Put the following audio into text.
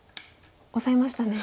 オサえましたね。